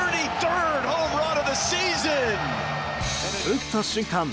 打った瞬間